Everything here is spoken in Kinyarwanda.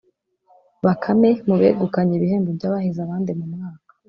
Bakame mu begukanye ibihembo by’abahize abandi mu mwaka